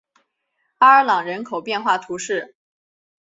阿尔朗人口变化图示